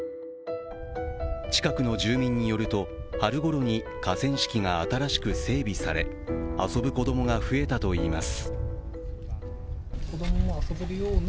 近くの住民によると、春ごろに河川敷が新しく整備され遊ぶ子供が増えたといいます。